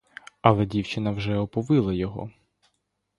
Але дівчина вже оповила його.